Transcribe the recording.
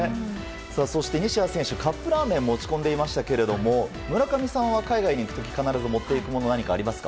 そして西矢選手カップラーメンを持ち込んでいましたが村上さんは海外に行く時に必ず持っていくもの何かありますか？